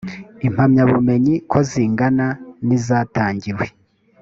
impamyabumenyi ko zingana n izatangiwe